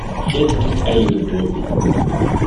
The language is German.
Jetzt ist Eile geboten.